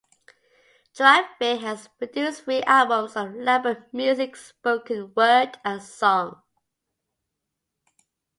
Juravich has produced three albums of labor music, spoken word and song.